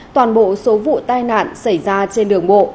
toàn bộ số vụ tai nạn xảy ra trên đường bộ